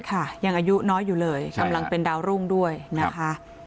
ค่ะยังอายุน้อยอยู่เลยกำลังเป็นดาวรุ่งด้วยนะคะ